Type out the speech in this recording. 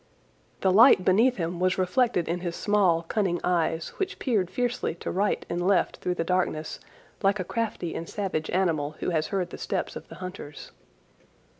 The light beneath him was reflected in his small, cunning eyes which peered fiercely to right and left through the darkness like a crafty and savage animal who has heard the steps of the hunters.